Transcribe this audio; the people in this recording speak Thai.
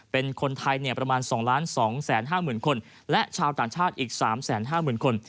เป็นคนไทยประมาณ๒๒๕๐๐๐คนและชาวต่างชาติอีก๓๕๐๐๐คน